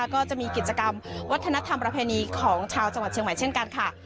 ก็จะมีกิจกรรมวัฒนธรรมประเพณีของชาวจังหวัดเชียงใหม่เช่นกันค่ะ